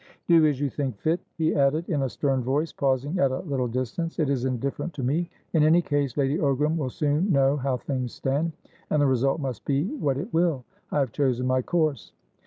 "Do as you think fit," he added in a stern voice, pausing at a little distance. "It is indifferent to me. In any case, Lady Ogram will soon know how things stand, and the result must be what it will. I have chosen my course."